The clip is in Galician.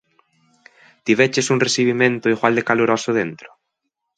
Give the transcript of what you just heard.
Tiveches un recibimento igual de caloroso dentro?